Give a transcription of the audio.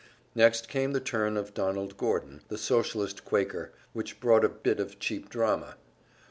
Next came the turn of Donald Gordon, the Socialist Quaker, which brought a bit of cheap drama.